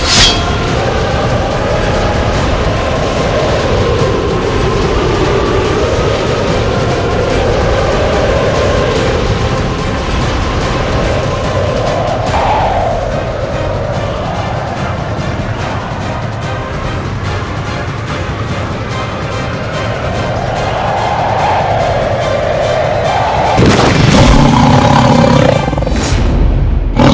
senyum itu senyum halwin